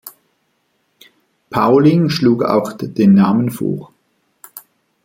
Pauling schlug auch den Namen vor.